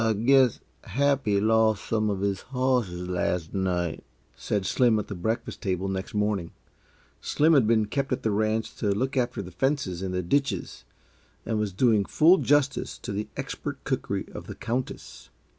"I guess Happy lost some of his horses, las' night," said Slim at the breakfast table next morning. Slim had been kept at the ranch to look after the fences and the ditches, and was doing full justice to the expert cookery of the Countess.